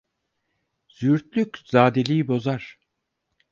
Züğürtlük, zadeliği bozar.